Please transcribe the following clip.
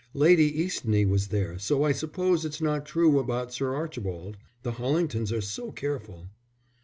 "Lady Eastney was there, so I suppose it's not true about Sir Archibald. The Hollingtons are so careful."